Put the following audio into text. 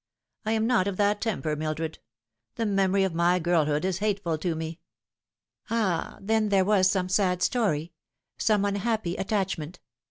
I am not of that temper, Mildred. The memory of my girlhood is hateful to me." " Ah, then there was some sad story some unhappy attach ment.